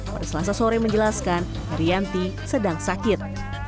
pada selasa sore menjelaskan herianti sedang sakit